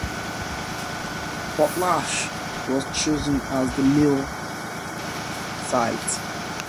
Potlatch was chosen as the mill site.